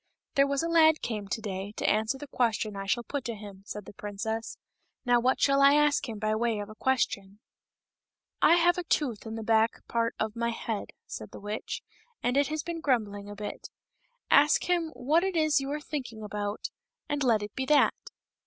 "There was a lad came to day to answer the question I shall put to him," said the princess. " Now what shall I ask him by way of a question ?"" I have a tooth in the back part of my head," said the witch, " and it has been grumbling a bit ; ask him what it is you are thinking about, and let it be that."